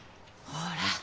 ほら。